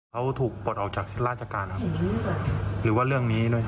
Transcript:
เขาถูกปลดออกจากราชการครับหรือว่าเรื่องนี้ด้วย